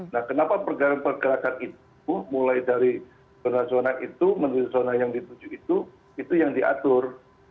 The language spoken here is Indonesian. nah kenapa pergerakan pergerakan itu mulai dari zona zona itu menuju zona yang dituju itu itu yang diatur